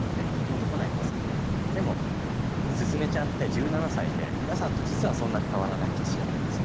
でも鈴芽ちゃんって１７歳で皆さんと実はそんなに変わらない年じゃないですか。